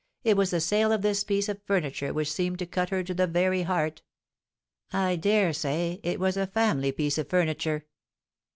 it was the sale of this piece of furniture which seemed to cut her to the very heart. I dare say it was a family piece of 'furniture.'"